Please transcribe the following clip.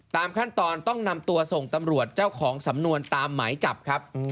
ตามขั้นตอนต้องนำตัวส่งตำรวจเจ้าของสำนวนตามหมายจับครับ